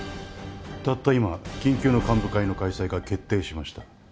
たった今緊急の幹部会の開催が決定しました。